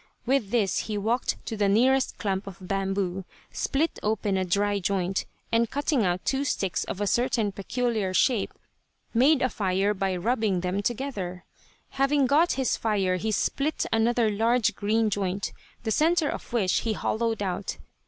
With this he walked to the nearest clump of bamboo, split open a dry joint, and cutting out two sticks of a certain peculiar shape made a fire by rubbing them together. Having got his fire he split another large green joint, the center of which he hollowed out.